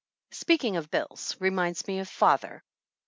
Speaking of bills reminds me of father.